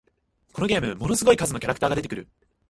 このゲーム、ものすごい数のキャラクターが出てくる